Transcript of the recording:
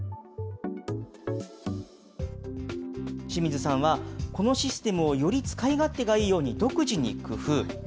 清水さんはこのシステムをより使い勝手がいいように独自に工夫。